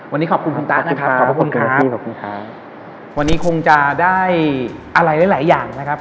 วันนี้ขอบคุณคุณต้านะครับขอบคุณครับวันนี้คงจะได้อะไรหลายอย่างนะครับ